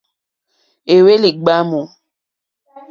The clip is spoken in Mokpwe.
Éhwélì ɡbámù.